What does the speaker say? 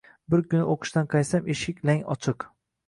Bir kuni o’qishdan qaytsam, eshik lang ochiq